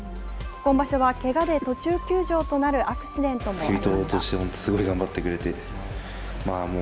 今場所はけがで途中休場となるアクシデントもありました。